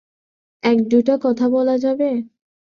এক দুইটা কথা বলা যাবে?